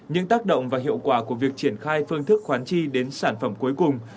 những tác động và hiệu quả của việc triển khai phương thức khoán chi đến sản phẩm cuối cùng